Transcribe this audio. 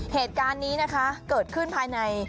เหตุการณ์นี้นะคะเกิดขึ้นภายใน